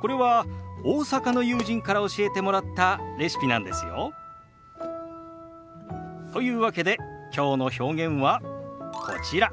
これは大阪の友人から教えてもらったレシピなんですよ。というわけできょうの表現はこちら。